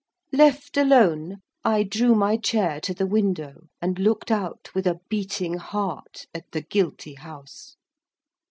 Left alone, I drew my chair to the window; and looked out with a beating heart at the guilty house.